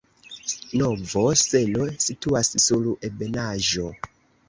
Novo Selo situas sur ebenaĵo.